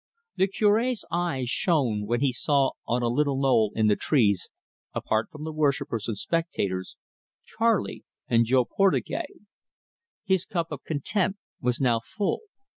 The Cure's eyes shone when he saw on a little knoll in the trees, apart from the worshippers and spectators, Charley and Jo Portugais. His cup of content was now full.